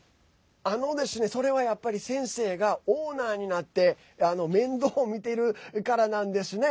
それはやっぱり先生がオーナーになって面倒を見ているからなんですね。